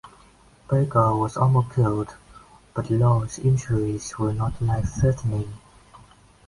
Baker was almost killed, but Law's injuries were not life-threatening.